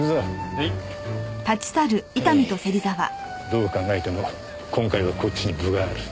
どう考えても今回はこっちに分がある。